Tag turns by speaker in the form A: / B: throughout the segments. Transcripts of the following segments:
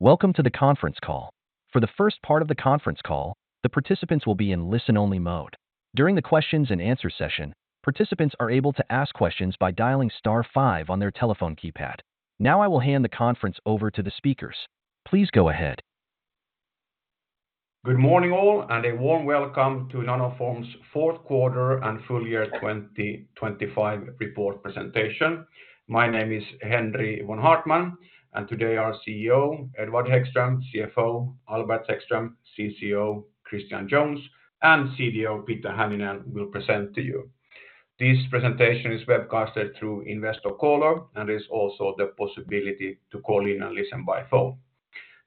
A: Welcome to the conference call. For the first part of the conference call, the participants will be in listen-only mode. During the questions and answer session, participants are able to ask questions by dialing star five on their telephone keypad. Now, I will hand the conference over to the speakers. Please go ahead.
B: Good morning, all, and a warm welcome to Nanoform's Fourth Quarter and Full Year 2025 Report Presentation. My name is Henri von Haartmann, today our CEO, Edward Hæggström, CFO, Albert Hæggström, CCO, Christian Jones, and CDO, Peter Hänninen, will present to you. This presentation is webcasted through Investorcaller and is also the possibility to call in and listen by phone.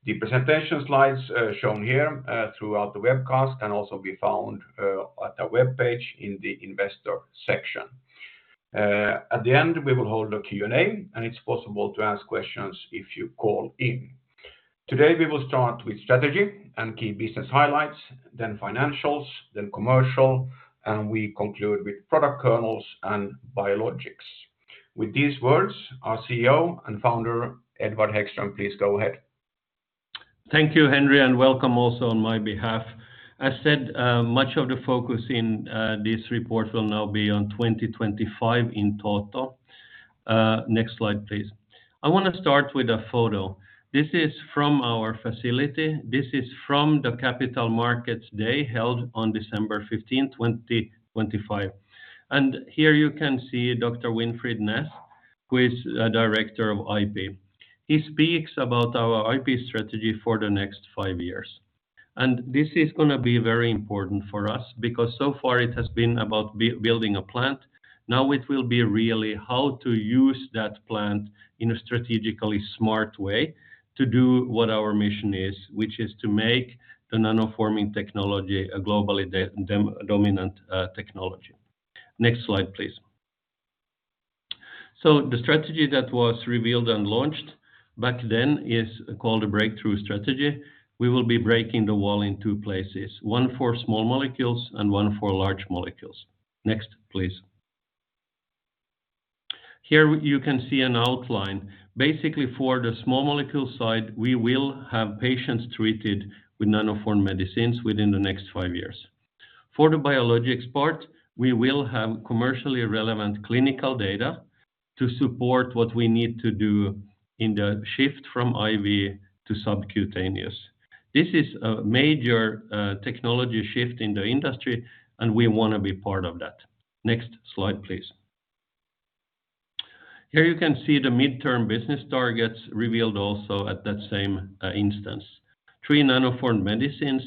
B: The presentation slides, shown here, throughout the webcast can also be found at our webpage in the investor section. At the end, we will hold a Q&A, and it's possible to ask questions if you call in. Today, we will start with strategy and key business highlights, then financials, then commercial, and we conclude with product kernels and biologics. Our CEO and founder, Edward Hæggström, please go ahead.
C: Thank you, Henri, and welcome also on my behalf. As said, much of the focus in this report will now be on 2025 in total. Next slide, please. I want to start with a photo. This is from our facility. This is from the Capital Markets Day, held on December 15, 2025. Here you can see Dr. Winfried Ness, who is the Director of IP. He speaks about our IP strategy for the next five years, and this is gonna be very important for us because so far it has been about building a plant. It will be really how to use that plant in a strategically smart way to do what our mission is, which is to make the nanoforming technology a globally dominant technology. Next slide, please. The strategy that was revealed and launched back then is called a breakthrough strategy. We will be breaking the wall in two places, one for small molecules and one for large molecules. Next, please. Here, you can see an outline. Basically, for the small molecule side, we will have patients treated with Nanoform medicines within the next five years. For the biologics part, we will have commercially relevant clinical data to support what we need to do in the shift from IV to subcutaneous. This is a major technology shift in the industry, and we want to be part of that. Next slide, please. Here you can see the midterm business targets revealed also at that same instance. Three Nanoform medicines,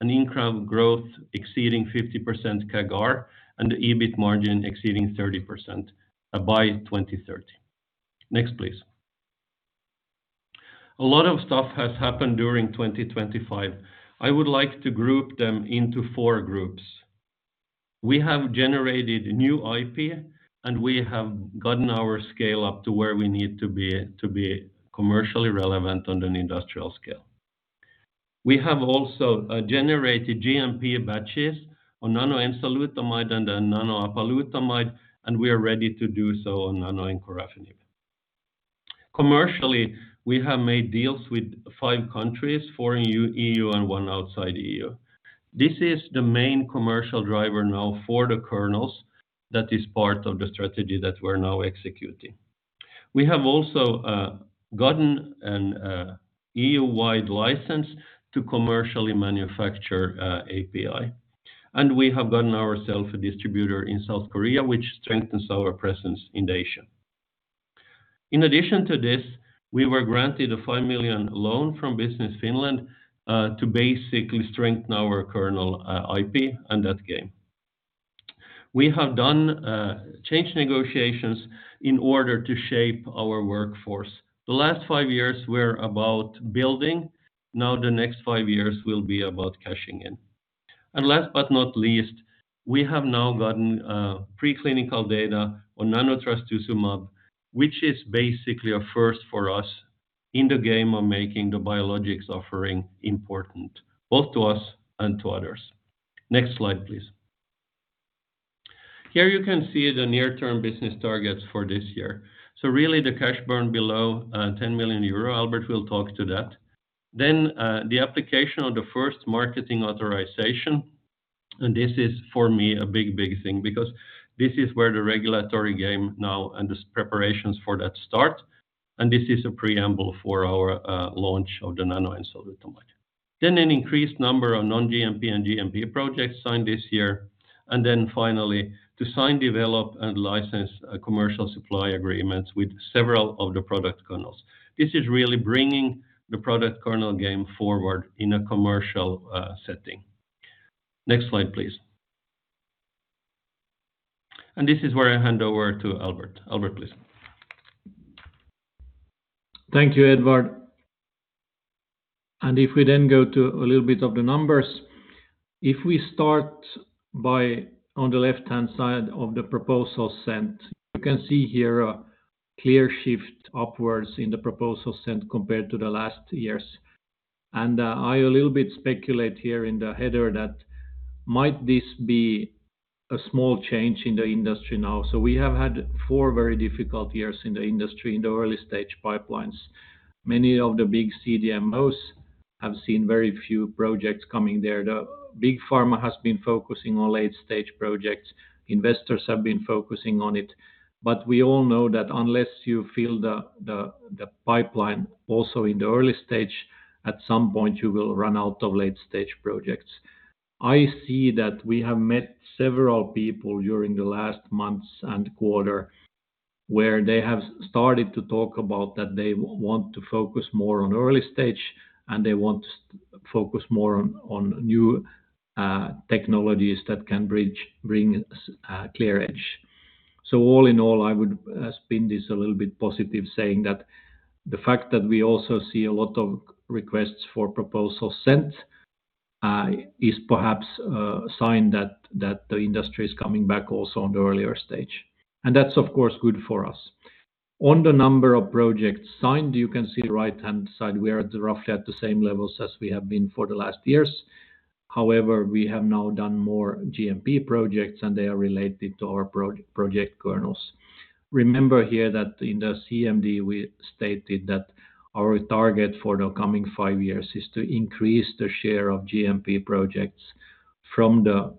C: an in-crowd growth exceeding 50% CAGR, and the EBIT margin exceeding 30% by 2030. Next, please. A lot of stuff has happened during 2025. I would like to group them into four groups. We have generated new IP, and we have gotten our scale up to where we need to be to be commercially relevant on an industrial scale. We have also generated GMP batches on nanoenzalutamide and nanoapalutamide, and we are ready to do so on nanoencorafenib. Commercially, we have made deals with five countries, four in EU and one outside the EU. This is the main commercial driver now for the kernels that is part of the strategy that we're now executing. We have also gotten an EU-wide license to commercially manufacture API, and we have gotten ourself a distributor in South Korea, which strengthens our presence in Asia. In addition to this, we were granted a 5 million loan from Business Finland, to basically strengthen our kernel, IP and that game. We have done, change negotiations in order to shape our workforce. The last five years were about building, now the next five years will be about cashing in. Last but not least, we have now gotten, preclinical data on nanotrastuzumab, which is basically a first for us in the game of making the biologics offering important, both to us and to others. Next slide, please. Here you can see the near-term business targets for this year. Really, the cash burn below, 10 million euro. Albert will talk to that. The application of the first marketing authorization, and this is, for me, a big, big thing because this is where the regulatory game now and the preparations for that start, and this is a preamble for our launch of the nanoenzalutamide. An increased number of non-GMP and GMP projects signed this year. Finally, to sign, develop, and license commercial supply agreements with several of the product kernels. This is really bringing the product kernel game forward in a commercial setting. Next slide, please. This is where I hand over to Albert. Albert, please.
B: Thank you, Edvard Hæggström. If we then go to a little bit of the numbers, if we start by on the left-hand side of the proposal sent, you can see here a clear shift upwards in the proposal sent compared to the last year's-...
D: and I a little bit speculate here in the header that might this be a small change in the industry now? We have had four very difficult years in the industry, in the early-stage pipelines. Many of the big CDMOs have seen very few projects coming there. The big pharma has been focusing on late-stage projects. Investors have been focusing on it, but we all know that unless you fill the pipeline also in the early stage, at some point you will run out of late-stage projects. I see that we have met several people during the last months and quarter, where they have started to talk about that they want to focus more on early stage, and they want to focus more on new technologies that can bring clear edge. All in all, I would spin this a little bit positive, saying that the fact that we also see a lot of requests for proposals sent is perhaps a sign that the industry is coming back also on the earlier stage. That's, of course, good for us. On the number of projects signed, you can see right-hand side, we are at roughly at the same levels as we have been for the last years. However, we have now done more GMP projects, and they are related to our project kernels. Remember here that in the CMD, we stated that our target for the coming five years is to increase the share of GMP projects from the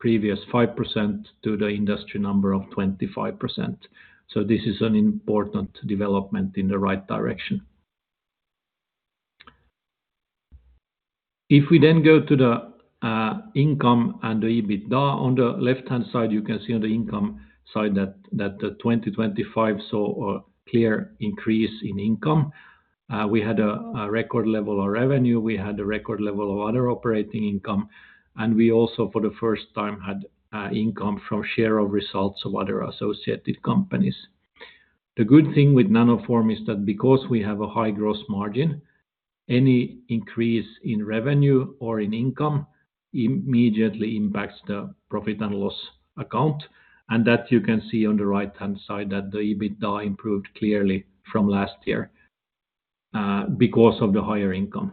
D: previous 5% to the industry number of 25%. This is an important development in the right direction. If we then go to the income and the EBITDA, on the left-hand side, you can see on the income side that the 2025 saw a clear increase in income. We had a record level of revenue, we had a record level of other operating income, and we also, for the first time, had income from share of results of other associated companies. The good thing with Nanoform is that because we have a high gross margin, any increase in revenue or in income immediately impacts the profit and loss account, and that you can see on the right-hand side, that the EBITDA improved clearly from last year because of the higher income.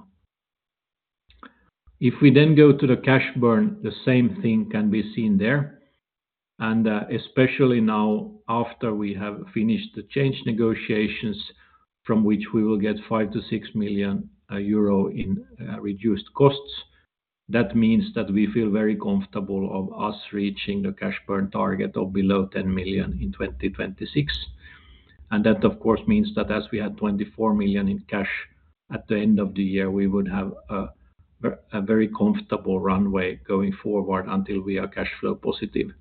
D: We then go to the cash burn, the same thing can be seen there, and especially now after we have finished the change negotiations, from which we will get 5 million-6 million euro in reduced costs. That means that we feel very comfortable of us reaching the cash burn target of below 10 million in 2026. That, of course, means that as we had 24 million in cash at the end of the year, we would have a very comfortable runway going forward until we are cash flow positive.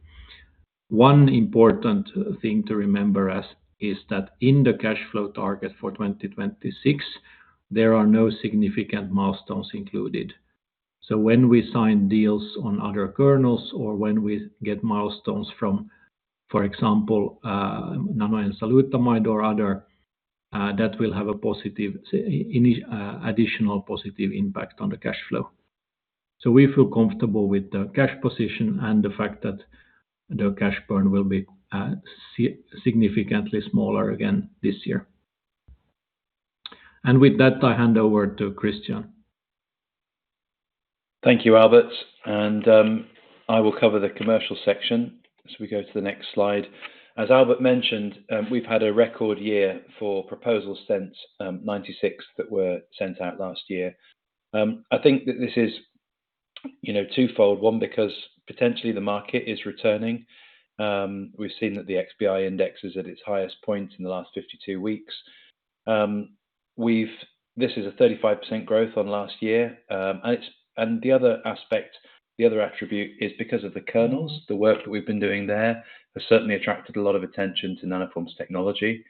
D: One important thing to remember as, is that in the cash flow target for 2026, there are no significant milestones included. When we sign deals on other kernels or when we get milestones from, for example, nanoenzalutamide or other, that will have an additional positive impact on the cash flow. We feel comfortable with the cash position and the fact that the cash burn will be significantly smaller again this year. With that, I hand over to Christian.
E: Thank you, Albert, I will cover the commercial section as we go to the next slide. As Albert mentioned, we've had a record year for proposals sent, 96, that were sent out last year. I think that this is, you know, twofold. One, because potentially the market is returning. We've seen that the XBI index is at its highest point in the last 52 weeks. This is a 35% growth on last year, and the other aspect, the other attribute, is because of the kernels. The work that we've been doing there has certainly attracted a lot of attention to Nanoform's technology.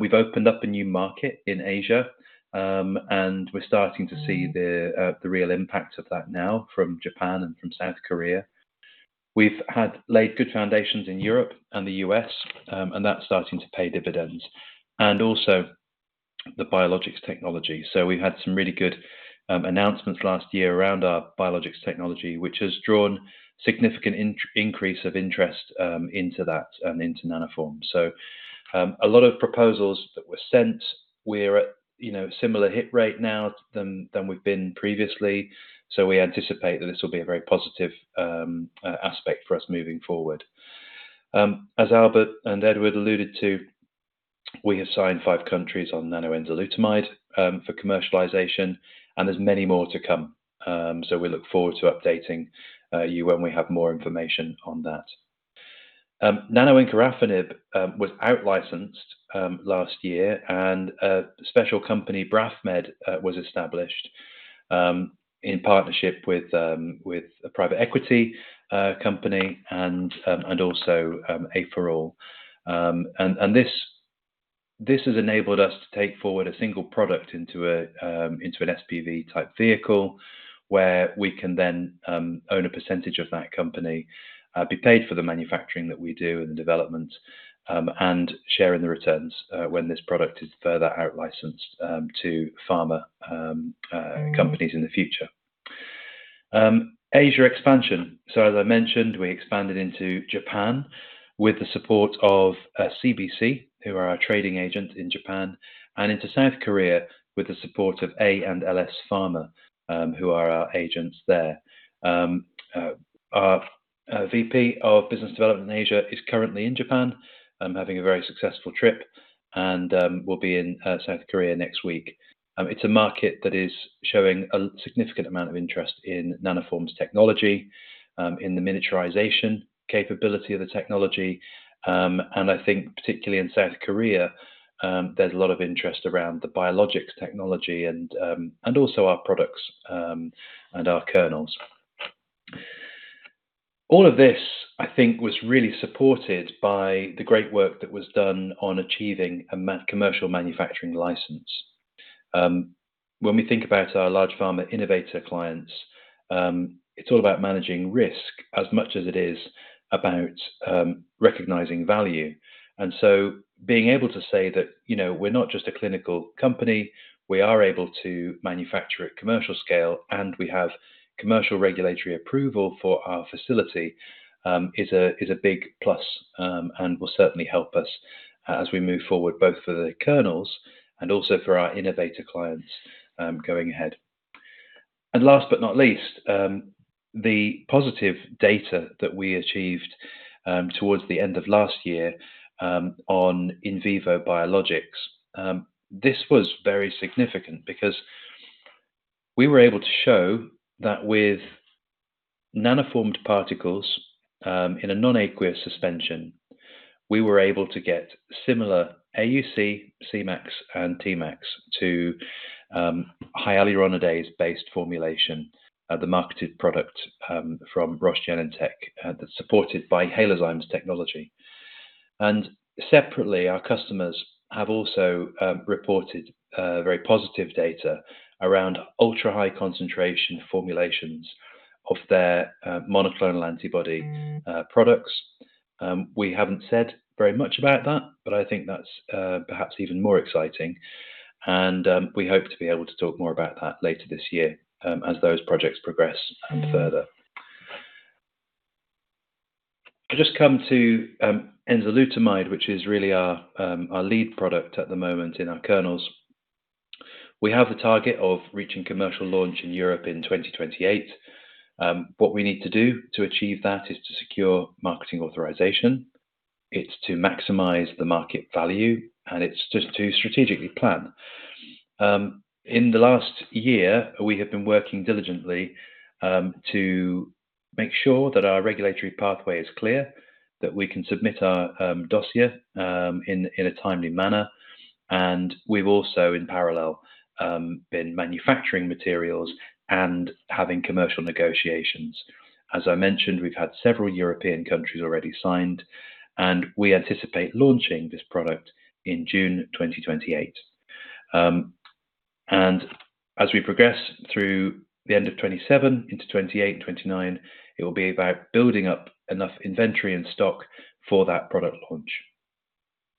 E: We've opened up a new market in Asia, and we're starting to see the real impact of that now from Japan and from South Korea. We've had laid good foundations in Europe and the U.S., and that's starting to pay dividends, and also the biologics technology. We've had some really good announcements last year around our biologics technology, which has drawn significant increase of interest into that and into Nanoform. A lot of proposals that were sent, we're at, you know, similar hit rate now than we've been previously, so we anticipate that this will be a very positive aspect for us moving forward. As Albert and Edward alluded to, we have signed five countries on nanoenzalutamide for commercialization, and there's many more to come, so we look forward to updating you when we have more information on that. nanoencorafenib was out licensed last year, and a special company, BRAFMed, was established in partnership with a private equity company and also A4.O. This has enabled us to take forward a single product into an SPV-type vehicle, where we can then own a percentage of that company, be paid for the manufacturing that we do and the development, and share in the returns when this product is further out licensed to pharma companies in the future. Asia expansion. As I mentioned, we expanded into Japan with the support of CBC, who are our trading agent in Japan, and into South Korea with the support of A&LS Pharma, who are our agents there. Our VP of Business Development in Asia is currently in Japan, having a very successful trip and will be in South Korea next week. It's a market that is showing a significant amount of interest in Nanoform's technology, in the miniaturization capability of the technology. I think particularly in South Korea, there's a lot of interest around the biologics technology and also our products and our kernels. All of this, I think, was really supported by the great work that was done on achieving a commercial manufacturing license. When we think about our large pharma innovator clients, it's all about managing risk as much as it is about recognizing value. Being able to say that, you know, we're not just a clinical company, we are able to manufacture at commercial scale, and we have commercial regulatory approval for our facility, is a big plus, and will certainly help us as we move forward, both for the kernels and also for our innovator clients, going ahead. Last but not least, the positive data that we achieved towards the end of last year, on in vivo biologics. This was very significant because we were able to show that with nanoformed particles, in a non-aqueous suspension, we were able to get similar AUC, Cmax, and Tmax to hyaluronidase-based formulation, the marketed product, from Roche/Genentech, that's supported by Halozyme's technology. Separately, our customers have also reported very positive data around ultra-high concentration formulations of their monoclonal antibody products. We haven't said very much about that, but I think that's perhaps even more exciting. We hope to be able to talk more about that later this year as those projects progress further. I'll just come to enzalutamide, which is really our lead product at the moment in our kernels. We have the target of reaching commercial launch in Europe in 2028. What we need to do to achieve that is to secure marketing authorization, it's to maximize the market value, and it's just to strategically plan. In the last year, we have been working diligently to make sure that our regulatory pathway is clear, that we can submit our dossier in a timely manner, and we've also, in parallel, been manufacturing materials and having commercial negotiations. As I mentioned, we've had several European countries already signed, and we anticipate launching this product in June 2028. As we progress through the end of 2027 into 2028, 2029, it will be about building up enough inventory and stock for that product launch.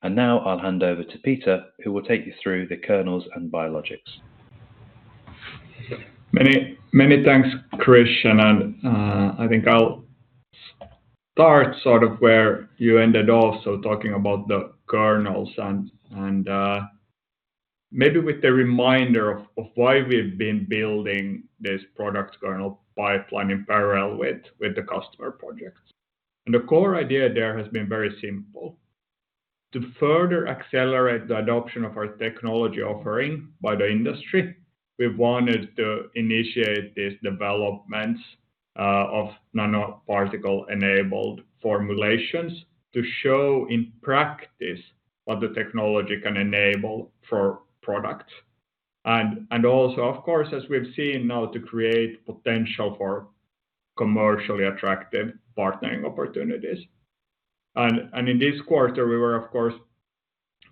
E: Now I'll hand over to Peter, who will take you through the kernels and biologics.
F: Many thanks, Christian, I think I'll start sort of where you ended off, so talking about the kernels and maybe with the reminder of why we've been building this product kernel pipeline in parallel with the customer projects. The core idea there has been very simple: To further accelerate the adoption of our technology offering by the industry, we wanted to initiate these developments of nanoparticle-enabled formulations to show in practice what the technology can enable for products. Also of course, as we've seen now, to create potential for commercially attractive partnering opportunities. In this quarter, we were, of course,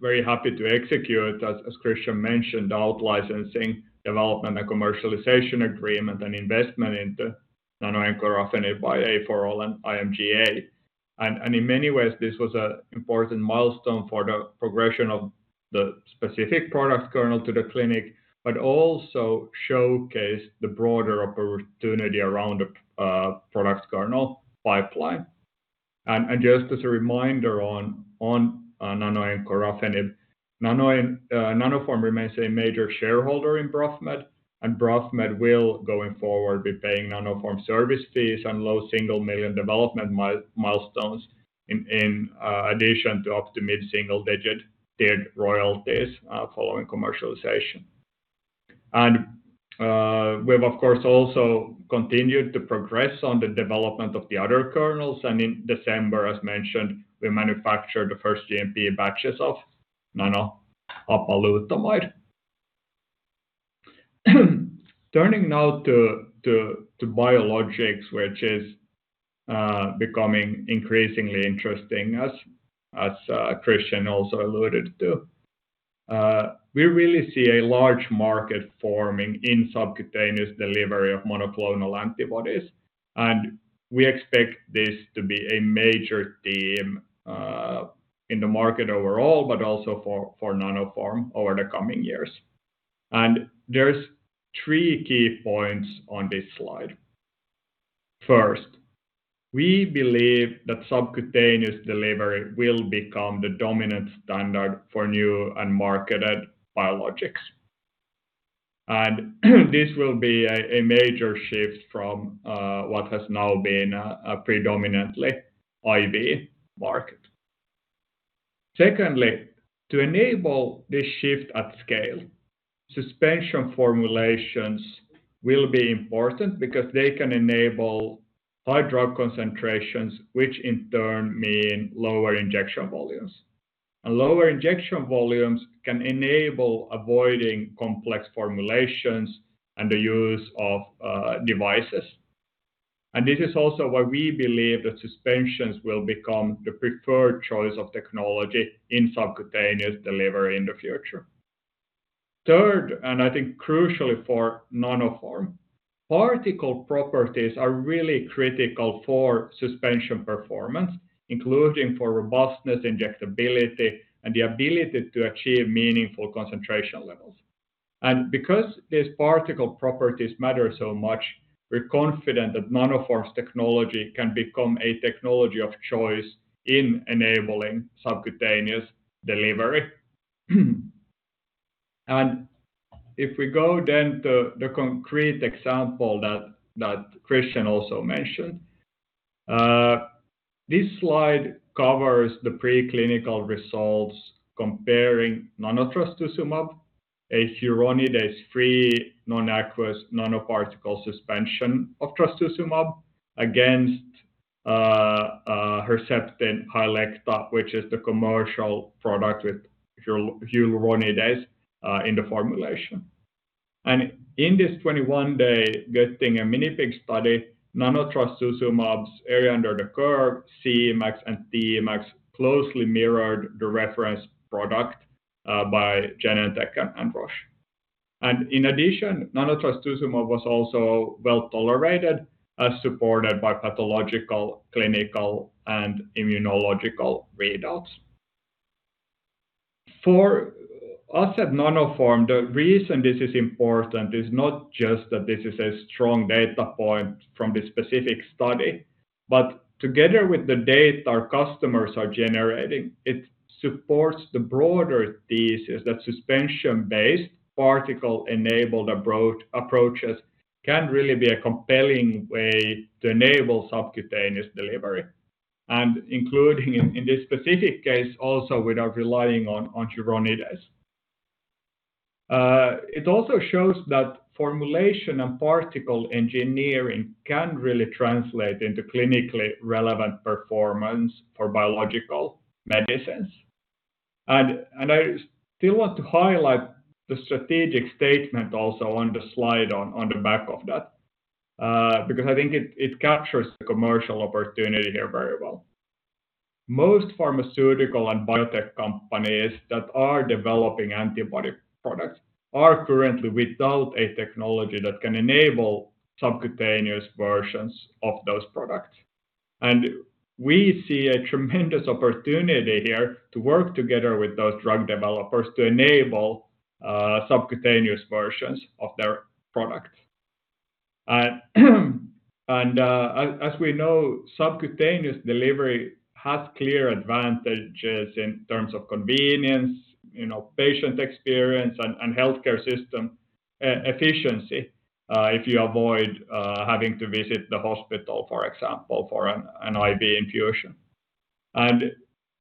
F: very happy to execute, as Christian mentioned, the out-licensing development and commercialization agreement and investment into nanoencorafenib by A4.O and IMGA. In many ways, this was a important milestone for the progression of the specific product kernel to the clinic, but also showcased the broader opportunity around the product kernel pipeline. Just as a reminder on nano anchor affinit, Nanoform remains a major shareholder in BRAFMed, and BRAFMed will, going forward, be paying Nanoform service fees and low single million development milestones in addition to up mid-single digit tier royalties following commercialization. We've, of course, also continued to progress on the development of the other kernels, and in December, as mentioned, we manufactured the first GMP batches of nanoapalutamide. Turning now to biologics, which is becoming increasingly interesting as Christian also alluded to. We really see a large market forming in subcutaneous delivery of monoclonal antibodies, and we expect this to be a major theme in the market overall, but also for Nanoform over the coming years. There's three key points on this slide. First, we believe that subcutaneous delivery will become the dominant standard for new and marketed biologics. This will be a major shift from what has now been a predominantly IV market. Secondly, to enable this shift at scale, suspension formulations will be important because they can enable high drug concentrations, which in turn mean lower injection volumes. Lower injection volumes can enable avoiding complex formulations and the use of devices. This is also why we believe that suspensions will become the preferred choice of technology in subcutaneous delivery in the future. Third, I think crucially for Nanoform, particle properties are really critical for suspension performance, including for robustness, injectability, and the ability to achieve meaningful concentration levels. Because these particle properties matter so much, we're confident that Nanoform's technology can become a technology of choice in enabling subcutaneous delivery. If we go to the concrete example that Christian also mentioned, this slide covers the preclinical results comparing nanotrastuzumab, a hyaluronidase free, non-aqueous, nanoparticle suspension of trastuzumab against Herceptin Hylecta, which is the commercial product with hyaluronidase in the formulation. In this 21-day getting a mini pig study, nanotrastuzumab's area under the curve, Cmax and Tmax, closely mirrored the reference product by Genentech and Roche. In addition, nanotrastuzumab was also well-tolerated, as supported by pathological, clinical, and immunological readouts. For us at Nanoform, the reason this is important is not just that this is a strong data point from this specific study, but together with the data our customers are generating, it supports the broader thesis that suspension-based, particle-enabled approaches can really be a compelling way to enable subcutaneous delivery, including in this specific case, also without relying on hyaluronidase. It also shows that formulation and particle engineering can really translate into clinically relevant performance for biological medicines. I still want to highlight the strategic statement also on the slide on the back of that, because I think it captures the commercial opportunity here very well. Most pharmaceutical and biotech companies that are developing antibody products are currently without a technology that can enable subcutaneous versions of those products. We see a tremendous opportunity here to work together with those drug developers to enable subcutaneous versions of their products. As we know, subcutaneous delivery has clear advantages in terms of convenience, you know, patient experience and healthcare system efficiency, if you avoid having to visit the hospital, for example, for an IV infusion.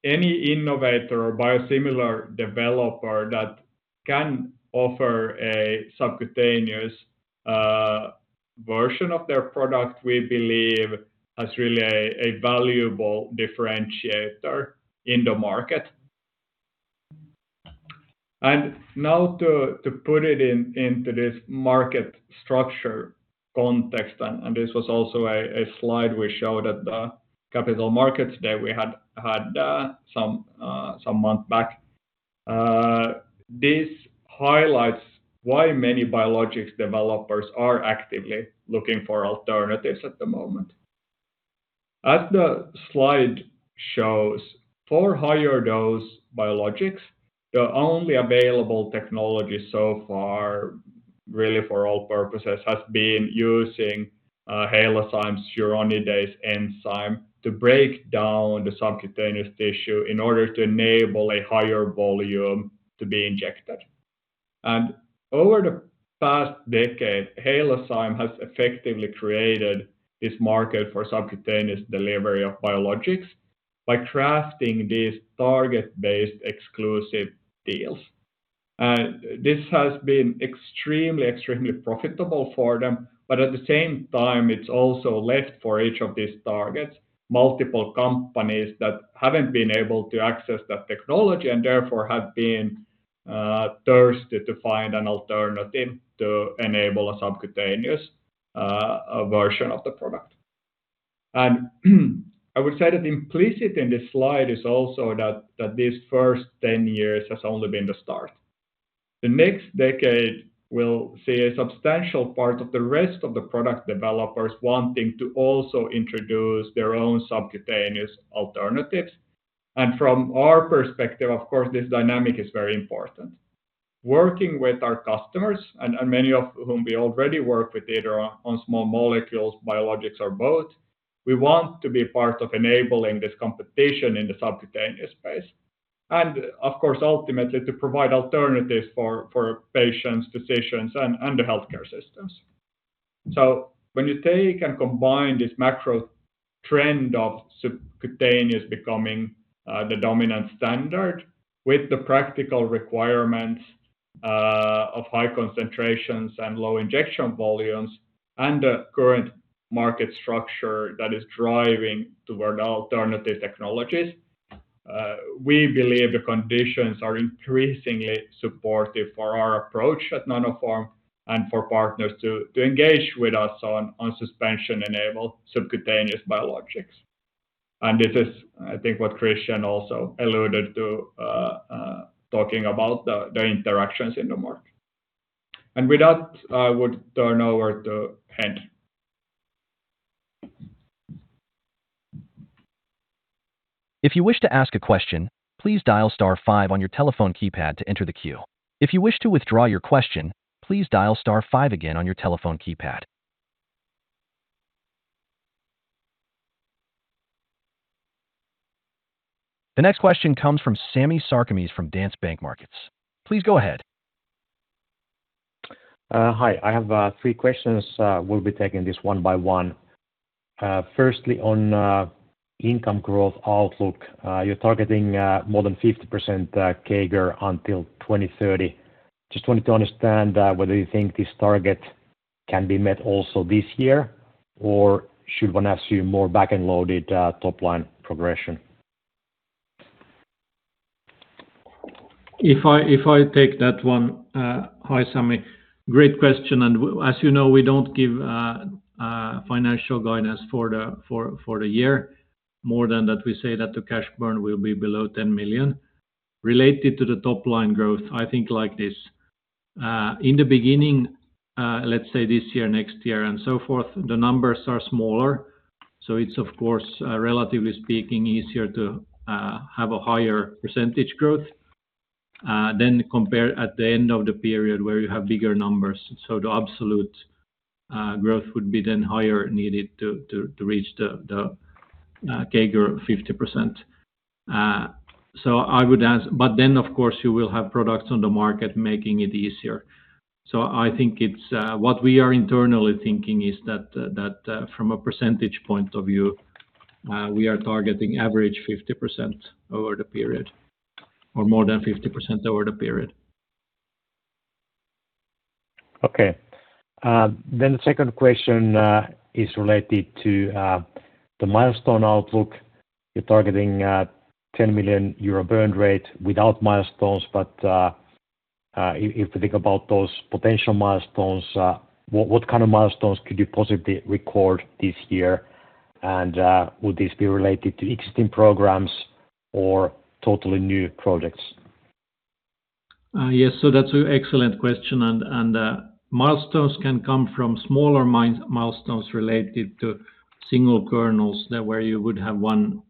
F: Any innovator or biosimilar developer that can offer a subcutaneous version of their product, we believe, has really a valuable differentiator in the market. Now to put it into this market structure context, this was also a slide we showed at the Capital Markets Day we had some month back. This highlights why many biologics developers are actively looking for alternatives at the moment. As the slide shows, for higher dose biologics, the only available technology so far, really for all purposes, has been using Halozyme's hyaluronidase enzyme to break down the subcutaneous tissue in order to enable a higher volume to be injected. Over the past decade, Halozyme has effectively created this market for subcutaneous delivery of biologics by crafting these target-based exclusive deals. This has been extremely profitable for them, but at the same time, it's also left for each of these targets, multiple companies that haven't been able to access that technology and therefore have been thirsted to find an alternative to enable a subcutaneous version of the product. I would say that implicit in this slide is also that this first 10 years has only been the start.
D: The next decade will see a substantial part of the rest of the product developers wanting to also introduce their own subcutaneous alternatives. From our perspective, of course, this dynamic is very important. Working with our customers, and many of whom we already work with either on small molecules, biologics, or both, we want to be part of enabling this competition in the subcutaneous space, and of course, ultimately, to provide alternatives for patients, physicians, and the healthcare systems. When you take and combine this macro trend of subcutaneous becoming the dominant standard with the practical requirements of high concentrations and low injection volumes and the current market structure that is driving toward alternative technologies, we believe the conditions are increasingly supportive for our approach at Nanoform and for partners to engage with us on suspension-enabled subcutaneous biologics. This is, I think, what Christian also alluded to, talking about the interactions in the market. With that, I would turn over to Henri.
A: If you wish to ask a question, please dial star five on your telephone keypad to enter the queue. If you wish to withdraw your question, please dial star five again on your telephone keypad. The next question comes from Sami Sarkamies from Danske Bank Markets. Please go ahead.
G: Hi, I have three questions. We'll be taking this one by one. Firstly, on income growth outlook, you're targeting more than 50% CAGR until 2030. Just wanted to understand whether you think this target can be met also this year, or should one assume more back-end loaded top-line progression?
D: If I take that one. Hi, Sami. Great question, as you know, we don't give financial guidance for the year. More than that, we say that the cash burn will be below 10 million. Related to the top-line growth, I think like this, in the beginning, let's say this year, next year, and so forth, the numbers are smaller. It's, of course, relatively speaking, easier to have a higher percentage growth than compare at the end of the period where you have bigger numbers. The absolute growth would be then higher needed to reach the CAGR of 50%. Then, of course, you will have products on the market making it easier. I think it's... What we are internally thinking is that, from a percentage point of view, we are targeting average 50% over the period or more than 50% over the period.
G: Okay. The second question is related to the milestone outlook. You're targeting 10 million euro burn rate without milestones, but if you think about those potential milestones, what kind of milestones could you possibly record this year? Would this be related to existing programs or totally new projects?
D: Yes, that's an excellent question, and milestones can come from smaller milestones related to single kernels, that where you would have one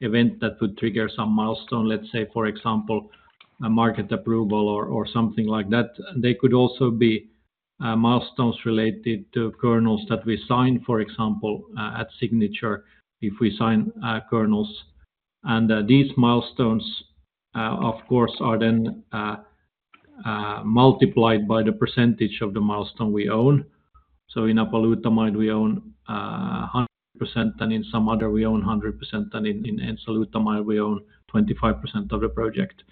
D: event that would trigger some milestone, let's say, for example, a market approval or something like that. They could also be milestones related to kernels that we sign, for example, at signature, if we sign kernels, and these milestones, of course, are then multiplied by the percentage of the milestone we own. In apalutamide, we own 100%, and in some other, we own 100%, and in enzalutamide, we own 25% of the project.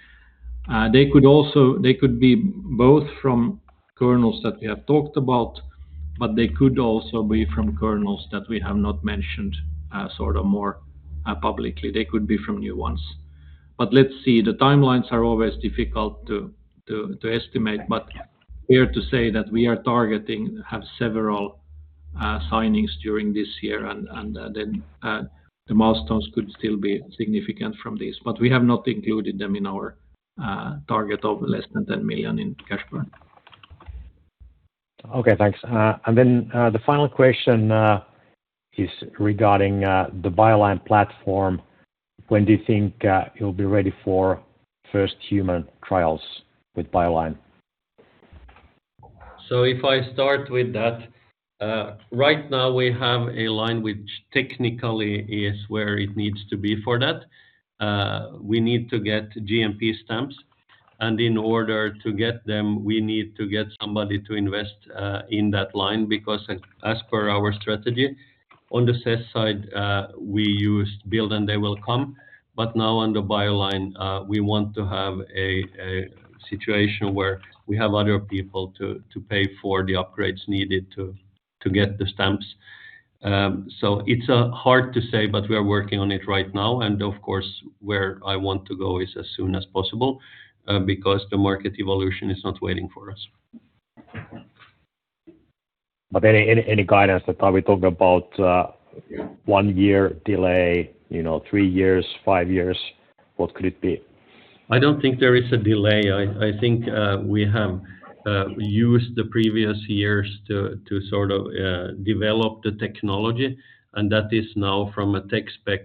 D: They could also they could be both from kernels that we have talked about, but they could also be from kernels that we have not mentioned, sort of more publicly. They could be from new ones. Let's see, the timelines are always difficult to estimate, but we are to say that we are targeting to have several signings during this year. Then the milestones could still be significant from this. We have not included them in our target of less than 10 million in cash burn.
G: Okay, thanks. The final question is regarding the BioLine platform. When do you think you'll be ready for first human trials with BioLine?
D: If I start with that, right now, we have a line which technically is where it needs to be for that. We need to get GMP stamps, and in order to get them, we need to get somebody to invest in that line, because as per our strategy, on the CESS side, we use build, and they will come. Now on the BioLine, we want to have a situation where we have other people to pay for the upgrades needed to get the stamps. It's hard to say, we are working on it right now, and of course, where I want to go is as soon as possible, because the market evolution is not waiting for us.
G: Any guidance that are we talking about, one year delay, you know, three years, five years? What could it be?
C: I don't think there is a delay. I think we have used the previous years to sort of develop the technology, and that is now from a tech spec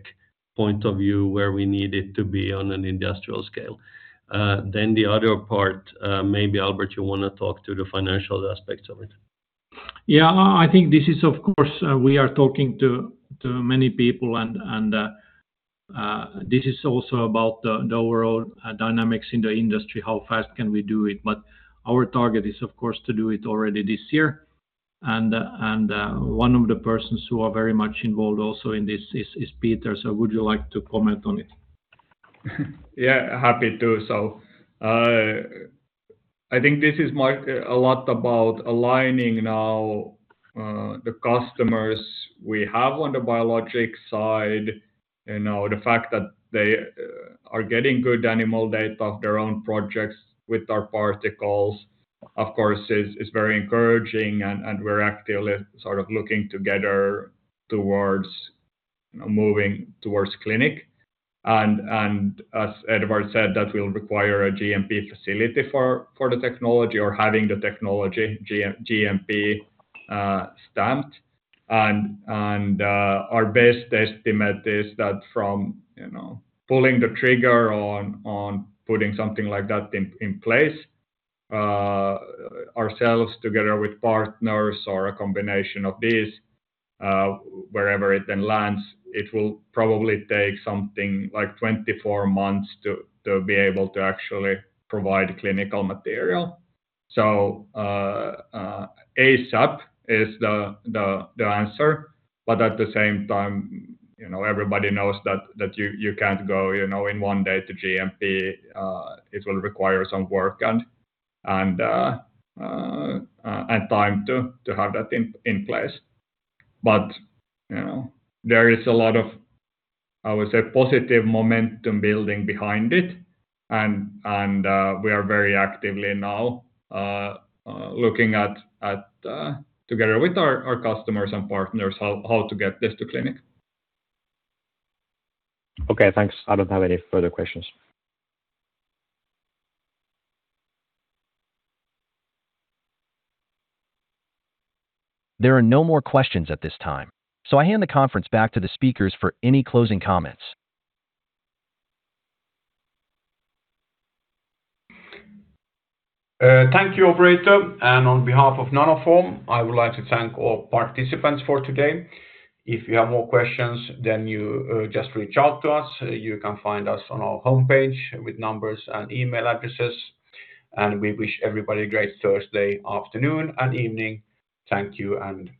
C: point of view, where we need it to be on an industrial scale. The other part, maybe Albert, you wanna talk to the financial aspects of it?
B: Yeah, I think this is, of course, we are talking to many people, and this is also about the overall dynamics in the industry, how fast can we do it? Our target is, of course, to do it already this year. One of the persons who are very much involved also in this is Peter, so would you like to comment on it?
F: Yeah, happy to. I think this is more a lot about aligning now, the customers we have on the biologic side. You know, the fact that they are getting good animal data of their own projects with our particles, of course, is very encouraging, and we're actively sort of looking together towards, you know, moving towards clinic. As Edward Hæggström said, that will require a GMP facility for the technology or having the technology GMP stamped. Our best estimate is that from, you know, pulling the trigger on putting something like that in place, ourselves together with partners or a combination of these, wherever it then lands, it will probably take something like 24 months to be able to actually provide clinical material. ASAP is the answer, but at the same time, you know, everybody knows that you can't go, you know, in one day to GMP. It will require some work and time to have that in place. You know, there is a lot of, I would say, positive momentum building behind it, and we are very actively now looking at together with our customers and partners, how to get this to clinic.
G: Okay, thanks. I don't have any further questions.
A: There are no more questions at this time, so I hand the conference back to the speakers for any closing comments.
B: Thank you, operator, and on behalf of Nanoform, I would like to thank all participants for today. If you have more questions, you just reach out to us. You can find us on our homepage with numbers and email addresses. We wish everybody a great Thursday afternoon and evening. Thank you, and bye.